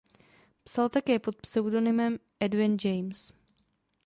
Psal také pod pseudonymem Edwin James.